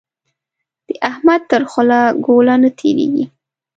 د احمد تر خوله ګوله نه تېرېږي.